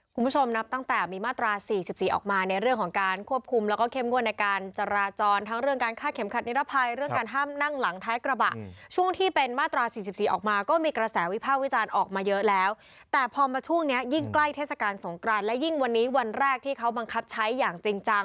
คุณผู้ชมนับตั้งแต่มีมาตรา๔๔ออกมาในเรื่องของการควบคุมแล้วก็เข้มงวดในการจราจรทั้งเรื่องการฆ่าเข็มขัดนิรภัยเรื่องการห้ามนั่งหลังท้ายกระบะช่วงที่เป็นมาตรา๔๔ออกมาก็มีกระแสวิภาควิจารณ์ออกมาเยอะแล้วแต่พอมาช่วงเนี้ยยิ่งใกล้เทศกาลสงกรานและยิ่งวันนี้วันแรกที่เขาบังคับใช้อย่างจริงจัง